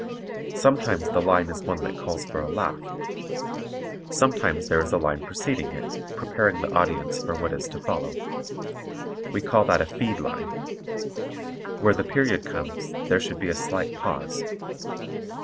Sometimes the line is one that calls for a laugh. Sometimes there is a line preceding it, preparing the audience for what is to follow. We call that a feed line. Where the period comes there should be a slight pause.